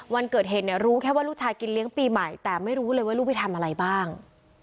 วันเกิดเหตุเนี่ยรู้แค่ว่าลูกชายกินเลี้ยงปีใหม่แต่ไม่รู้เลยว่าลูกไปทำอะไรบ้าง